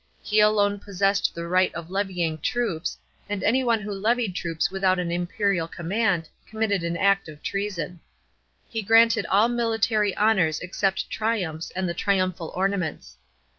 He alone possessed the right of levying troops, and anyone who levied troops without an imperial com mand, committed an act of treason. He granted all military honours except triumphs and the triumphal ornaments.